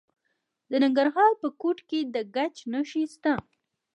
د ننګرهار په کوټ کې د ګچ نښې شته.